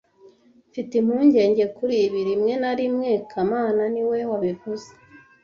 Mfite impungenge kuri ibi rimwe na rimwe kamana niwe wabivuze